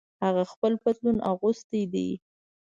هغه خپل پتلون اغوستۍ دي